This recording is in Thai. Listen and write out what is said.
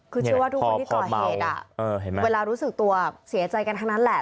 คือเชื่อว่าทุกคนที่ก่อเหตุเวลารู้สึกตัวเสียใจกันทั้งนั้นแหละ